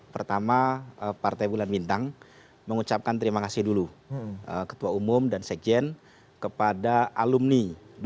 pertama partai bulan bintang mengucapkan terima kasih dulu ketua umum dan sekjen kepada alumni dua ribu dua puluh